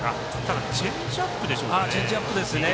チェンジアップでしたね。